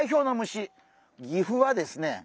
岐阜はですね